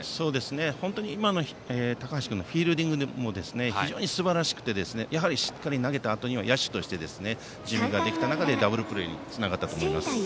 本当に今の高橋君のフィールディングも非常にすばらしくて、やはりしっかり投げたあとにはダブルプレーにつながったと思います。